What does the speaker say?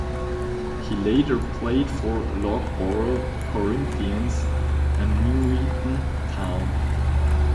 He later played for Loughborough Corinthians and Nuneaton Town.